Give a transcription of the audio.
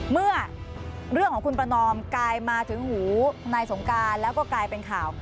เมื่อเรื่องของคุณประนอมกลายมาถึงหูนายสงการแล้วก็กลายเป็นข่าว